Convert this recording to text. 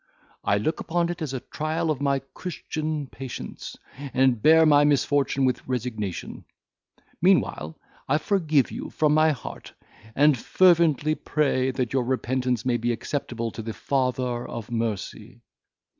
I look upon it as a trial of my Christian patience, and bear my misfortune with resignation; meanwhile, I forgive you from my heart, and fervently pray that your repentance may be acceptable to the Father of Mercy."